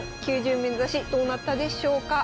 ９０面指しどうなったでしょうか？